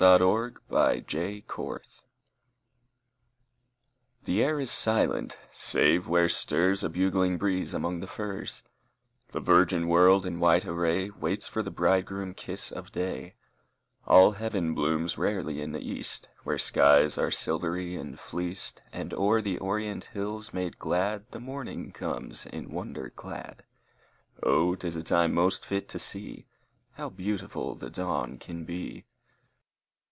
79 A WINTER DAY I The air is silent save where stirs A bugling breeze among the firs; The virgin world in white array Waits for the bridegroom kiss of day; All heaven blooms rarely in the east Where skies are silvery and fleeced, And o'er the orient hills made glad The morning comes in wonder clad ; Oh, 'tis a time most fit to see How beautiful the dawn can be!